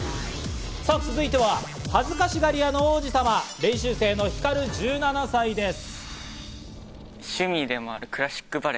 さぁ続いては恥ずかしがり屋の王子様、練習生のＨＩＫＡＲＵ１７歳です。